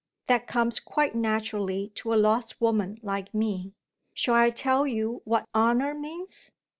That comes quite naturally to a lost woman like me. Shall I tell you what Honour means?